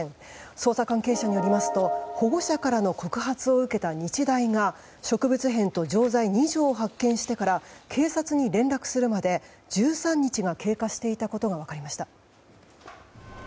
捜査関係者によりますと保護者からの告発を受けた日大が植物片と錠剤２錠を発見してから警察に連絡するまで１３日が経過していたことが分かりました。